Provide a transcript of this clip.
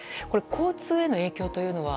交通への影響というのは？